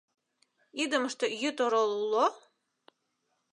Идымыште йӱд орол уло?